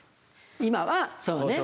今はそのね